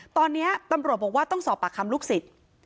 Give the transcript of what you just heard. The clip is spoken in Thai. ตอนนี้ตำรวจบอกว่าต้องสอบปากคำลูกศิษย์